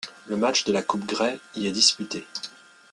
Le match de la coupe Grey y est disputé.